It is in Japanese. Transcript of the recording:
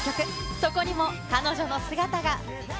そこにも彼女の姿が。